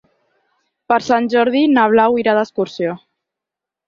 Per Sant Jordi na Blau irà d'excursió.